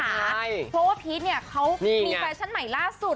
เพราะว่าพีชเนี่ยเขามีแฟชั่นใหม่ล่าสุด